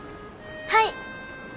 はい。